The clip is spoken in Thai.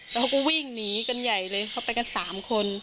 แล้วเขาก็วิ่งหนีกันใหญ่เลยเขาไปกัน๓คน